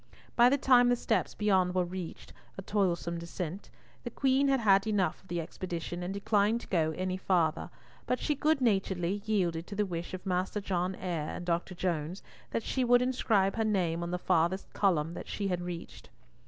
By the time the steps beyond were reached, a toilsome descent, the Queen had had enough of the expedition, and declined to go any farther, but she good naturedly yielded to the wish of Master John Eyre and Dr. Jones, that she would inscribe her name on the farthest column that she had reached.